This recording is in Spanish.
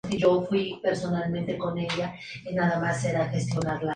No se encuentran datos con claridad de su paso por Venezuela y Chile.